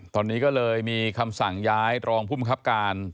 ตอนนี้ก็เลยมีคำสั่งย้ายรองภูมิครับการ